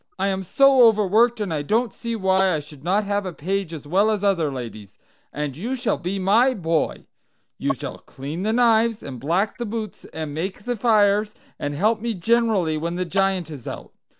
I am so overworked, and I don't see why I should not have a page as well as other ladies. And you shall be my boy. You shall clean the knives, and black the boots, and make the fires, and help me generally when the Giant is out.